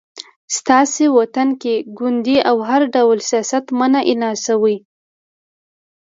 ستاسې وطن کې ګوندي او هر ډول سیاست منع اعلان شوی